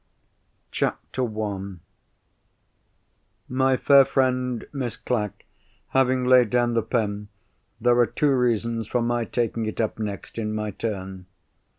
_ CHAPTER I My fair friend, Miss Clack, having laid down the pen, there are two reasons for my taking it up next, in my turn.